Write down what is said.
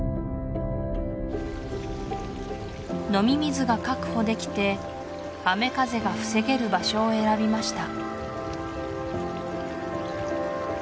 飲み水が確保できて雨風が防げる場所を選びました